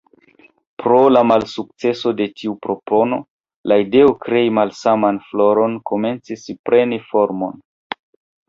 Pro la malsukceso de tiu propono, la ideo krei malsaman floron komencis preni formon.